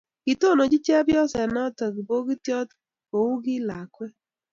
Kitononchi chepyoset noto kibokitiot kou kii lakweet